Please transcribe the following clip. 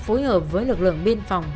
phối hợp với lực lượng biên phòng